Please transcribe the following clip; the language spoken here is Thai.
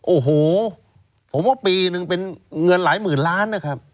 โอ้โหผมว่าปีนึงเป็นเงินหลายหมื่นล้านนะครับ